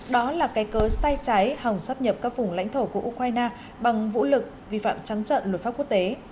đó là cái cớ sai trái hòng sắp nhập các vùng lãnh thổ của ukraine bằng vũ lực vi phạm trắng trận luật pháp quốc tế